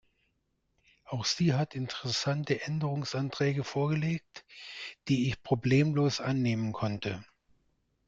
Auch sie hat interessante Änderungsanträge vorgelegt, die ich problemlos annehmen konnte.